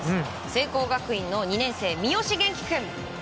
聖光学院の２年生、三好元気君。